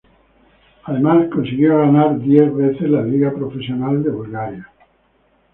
Además consiguió ganar diez Liga Profesional de Bulgaria.